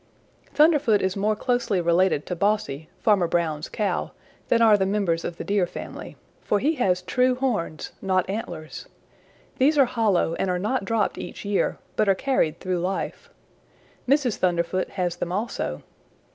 "Thunderfoot is more closely related to Bossy, Farmer Brown's Cow, than are the members of the Deer family, for he has true horns, not antlers. These are hollow and are not dropped each year, but are carried through life. Mrs. Thunderfoot has them also.